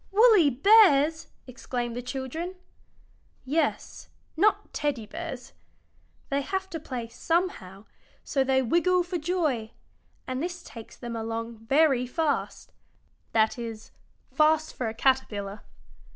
"Woolly bears!" exclaimed the children. "Yes; not Teddy bears. They have to play somehow, so they wiggle for joy, and this takes them along very fast that is, fast for a caterpillar.